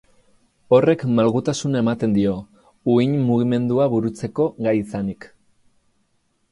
Horrek malgutasuna ematen dio, uhin-mugimendua burutzeko gai izanik.